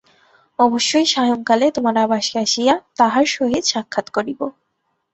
অবশ্যই সায়ংকালে তোমার আবাসে আসিয়া তাঁহার সহিত সাক্ষাৎ করিব।